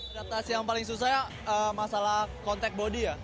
adaptasi yang paling susah masalah kontak bodi ya